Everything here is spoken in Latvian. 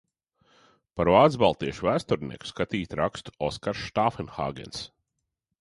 Par vācbaltiešu vēsturnieku skatīt rakstu Oskars Štāfenhāgens.